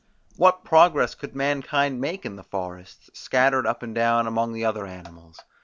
What progress could mankind make in the forests, scattered up and down among the other animals?